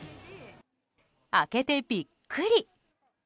開けてビックリ！